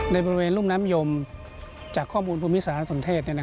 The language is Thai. ในบริเวณรุ่มน้ำยมจากข้อมูลภูมิสารสนเทศ